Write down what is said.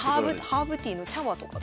ハーブティーの茶葉とか。